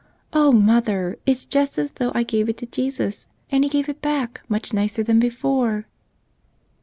Oh, mother, it's just as though I gave it to Jesus, and He gave it back much nicer than before."